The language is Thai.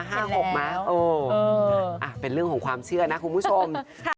เป็นแล้วเออเป็นเรื่องของความเชื่อนะคุณผู้ชม